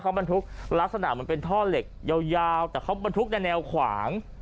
มันถูกลักษณะเป็นท่อเหล็กยาวแต่เขาบรรทุกแนวขวาง